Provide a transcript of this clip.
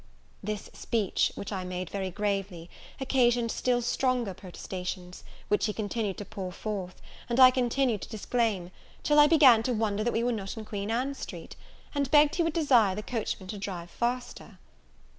This speech, which I made very gravely, occasioned still stronger protestations; which he continued to pour forth, and I continued to disclaim, till I began to wonder that we were not in Queen Ann Street, and begged he would desire the coachman to drive faster.